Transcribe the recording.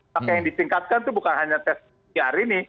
tapi yang disingkatkan itu bukan hanya test pr ini